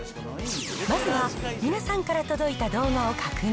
まずは皆さんから届いた動画を確認。